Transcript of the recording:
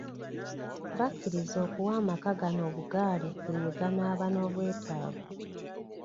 Bakkiriza okuwa amaka gano obugaali buli lwe ganaaba n'obwetaavu.